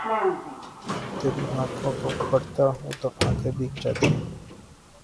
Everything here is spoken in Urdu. تری آنکھوں کو پڑھتا ہوں تو آنکھیں بھیگ جاتی ہی